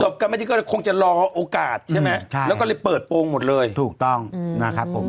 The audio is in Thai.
กันไม่ดีก็เลยคงจะรอโอกาสใช่ไหมใช่แล้วก็เลยเปิดโปรงหมดเลยถูกต้องนะครับผม